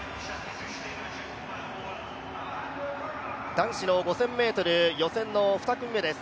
男子の５０００ｍ予選の２組目です。